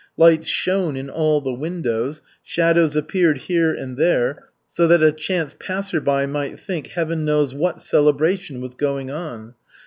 Lights shone in all the windows, shadows appeared here and there, so that a chance passer by might think Heaven knows what celebration was going on.